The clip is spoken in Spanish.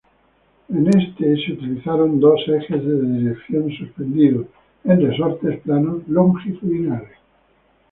En este se utilizaron dos ejes de dirección suspendidos en resortes planos longitudinales.